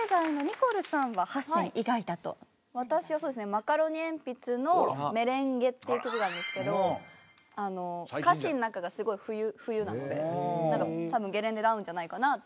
マカロニえんぴつの『メレンゲ』っていう曲があるんですけど歌詞の中がすごい冬なのでたぶんゲレンデで合うんじゃないかなと。